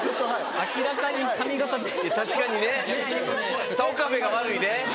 ・明らかに髪形・確かにねそれ岡部が悪いで。